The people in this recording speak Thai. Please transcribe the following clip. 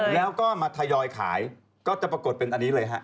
แล้วก็มาทยอยขายก็จะปรากฏเป็นอันนี้เลยฮะ